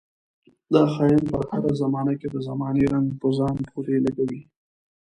دا خاين پر هره زمانه کې د زمانې رنګ په ځان پورې لګوي.